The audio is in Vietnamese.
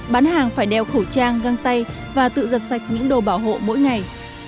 bán hàng phải đeo khẩu trang găng tay và tự giật sạch những đồ bảo hộ mỗi ngày